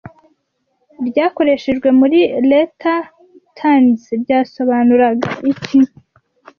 ryakoreshejwe muri latertirnes, ryasobanuraga iki